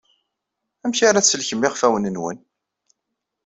Amek ara tsellkem iɣfawen-nwen?